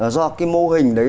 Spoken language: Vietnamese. do cái mô hình đấy